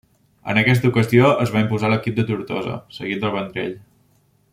En aquesta ocasió es va imposar l'equip de Tortosa, seguit del Vendrell.